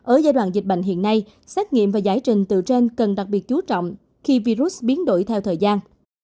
ở giai đoạn dịch bệnh hiện nay xét nghiệm và giải trình từ trên cần đặc biệt chú trọng khi virus biến đổi theo thời gian